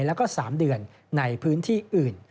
แล้วก็๓เดือนในพื้นที่อื่น